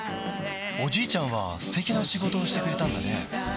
おじいちゃんは素敵な仕事をしてくれたんだね